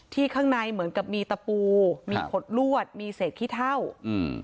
ข้างในเหมือนกับมีตะปูมีขดลวดมีเศษขี้เท่าอืม